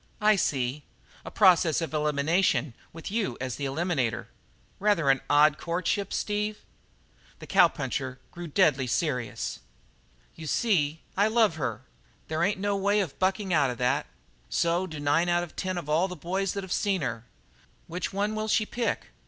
"I see. A process of elimination with you as the eliminator. Rather an odd courtship, Steve?" The cowpuncher grew deadly serious. "You see, I love her. There ain't no way of bucking out of that. So do nine out of ten of all the boys that've seen her. Which one will she pick?